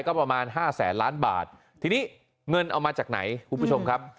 ก็ประมาณห้าแสนล้านบาททีนี้เงินเอามาจากไหนคุณผู้ชมครับ